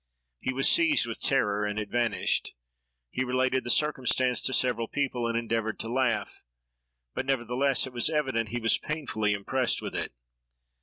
He was seized with terror, and it vanished. He related the circumstance to several people, and endeavored to laugh, but, nevertheless, it was evident he was painfully impressed with it.